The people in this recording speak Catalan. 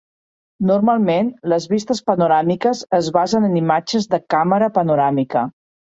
Normalment, les vistes panoràmiques es basen en imatges de càmera panoràmica.